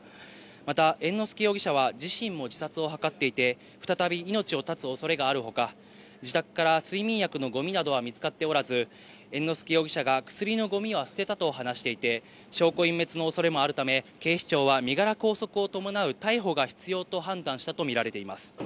また、猿之助容疑者は自身も自殺を図っていて、再び命を絶つ恐れがある他、自宅から睡眠薬のゴミなどは見つかっておらず、猿之助容疑者が、薬のゴミは捨てたと話していて、証拠隠滅の恐れもあるため、警視庁は身柄拘束を伴う逮捕が必要と判断したとみられています。